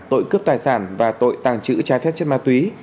tội cướp tài sản và tội tàng trữ trái phép chất ma túy